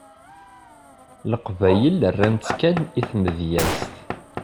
Leqbayel rran-ttkan i tmedyezt.